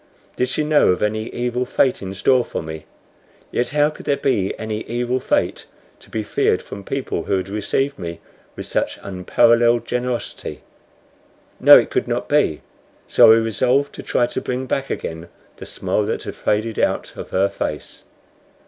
Did she know of any evil fate in store for me? Yet how could there be any evil fate to be feared from people who had received me with such unparalleled generosity? No, it could not be; so I resolved to try to bring back again the smile that had faded out of her face.